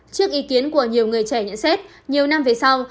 trước ý kiến của nhiều người trẻ nhận xét nhiều năm về sau